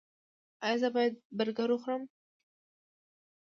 ایا زه باید برګر وخورم؟